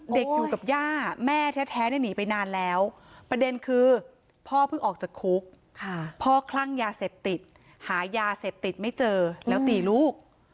อยู่กับย่าแม่แท้หนีไปนานแล้วประเด็นคือพ่อเพิ่งออกจากคุกพ่อคลั่งยาเสพติดหายาเสพติดไม่เจอแล้วตีลูก